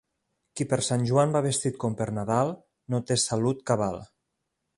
Qui per Sant Joan va vestit com per Nadal, no té salut cabal.